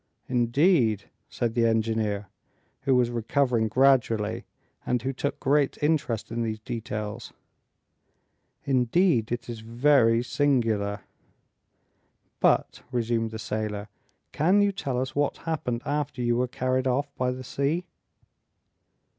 "Indeed," said the engineer, who was recovering gradually, and who took great interest in these details, "indeed it is very singular!" "But," resumed the sailor, "can you tell us what happened after you were carried off by the sea?"